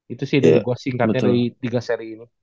itu sih gue singkat dari tiga seri ini